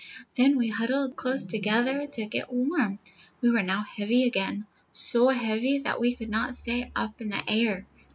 Then we huddled close together to get warm. We were now heavy again so heavy that we could not stay up in the air.